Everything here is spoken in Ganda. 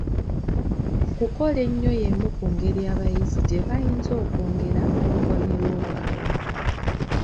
Okukola ennyo y'emu ku ngeri abayizi gye bayinza okwongera ku bubonero bwabwe.